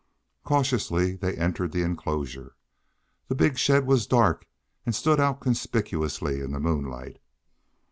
Cautiously they entered the enclosure. The big shed was dark, and stood out conspicuously in the moonlight.